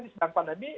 di sedang pandemi